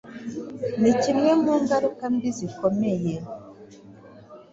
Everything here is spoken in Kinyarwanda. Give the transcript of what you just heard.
ni kimwe mu ngaruka mbi zikomeye